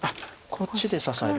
こっちで支える。